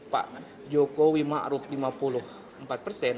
pak jokowi ma'ruf lima puluh empat persen